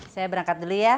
saya berangkat dulu ya